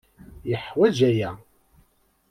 Yeḥwaj aya.